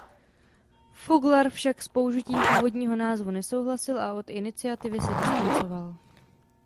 Foglar však s použitím původního názvu nesouhlasil a od iniciativy se distancoval.